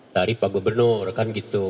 dari pak gubernur kan gitu